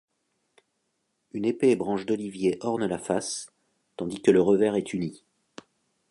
Une épée et branche d'olivier ornent la face, tandis que le revers est uni.